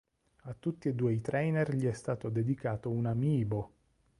A tutti e due i trainer gli è stato dedicato un amiibo.